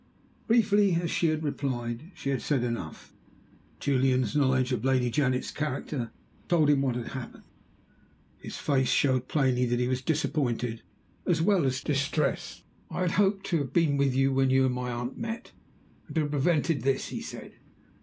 Briefly as she had replied, she had said enough. Julian's knowledge of Lady Janet's character told him what had happened. His face showed plainly that he was disappointed as well as distressed. "I had hoped to have been with you when you and my aunt met, and to have prevented this," he said.